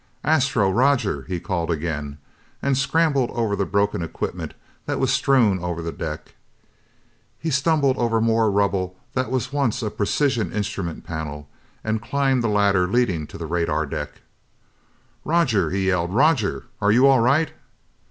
"Astro? Roger?!" he called again, and scrambled over the broken equipment that was strewn over the deck. He stumbled over more rubble that was once a precision instrument panel and climbed the ladder leading to the radar deck. "Roger!" he yelled. "Roger, are you all right?"